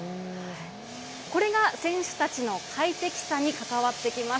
これが選手たちの快適さに関わってきます。